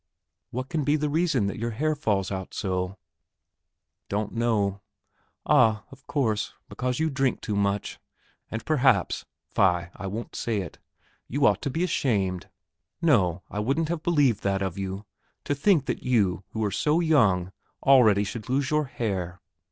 "What can be the reason that your hair falls out so?" "Don't know." "Ah, of course, because you drink too much, and perhaps ... fie, I won't say it. You ought to be ashamed. No, I wouldn't have believed that of you! To think that you, who are so young, already should lose your hair!